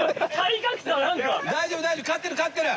大丈夫大丈夫勝ってる勝ってる。